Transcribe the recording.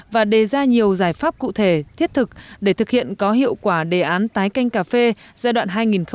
và đề ra nhiều giải pháp cụ thể thiết thực để thực hiện có hiệu quả đề án tái canh cà phê giai đoạn hai nghìn một mươi sáu hai nghìn hai mươi